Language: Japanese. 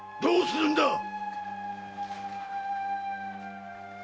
どうするんだ！